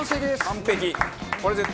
完璧！